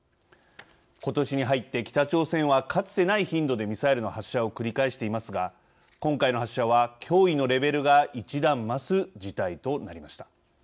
今年に入って北朝鮮はかつてない頻度でミサイルの発射を繰り返していますが今回の発射は脅威のレベルが一段増す事態となりました。